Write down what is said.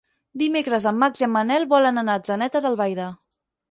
Dimecres en Max i en Manel volen anar a Atzeneta d'Albaida.